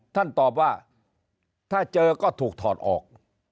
ท่านตอบว่าถ้าเจอก็ถูกถอดออก